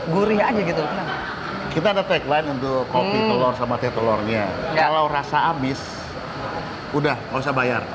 gurih aja gitu kita ada tagline untuk kopi telur sama telurnya kalau rasa abis udah bisa bayar